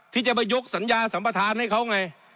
ที่จะไปยกสัญญาสัมประธานให้เขาไง